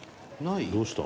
「どうした？」